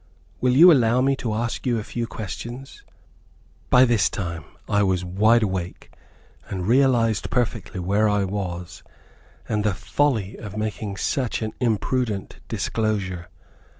Will you allow me to ask you a few questions?" By this time, I was wide awake, and realized perfectly where I was, and the folly of making such an imprudent disclosure.